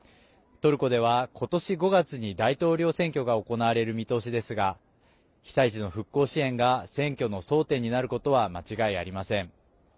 トルコでは、今年５月に大統領選挙が行われる見通しですが被災地の復興支援が選挙の争点になることは間違いありません。